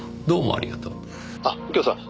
どうもありがとう。